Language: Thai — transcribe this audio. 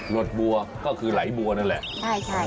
ดบัวก็คือไหลบัวนั่นแหละใช่ใช่